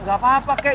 gak apa apa kek